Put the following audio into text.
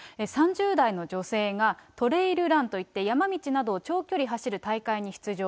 ３０代の女性が、トレイルランといって、山道などを長距離走る大会に出場。